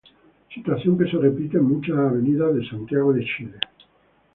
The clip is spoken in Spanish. Situación que se repite en muchas avenidas de Santiago de Chile.